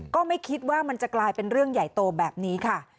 ก็ไม่คิดว่ามันจะกลายเป็นเรื่องใหญ่โตแบบนี้ค่ะ